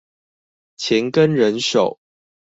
錢跟人手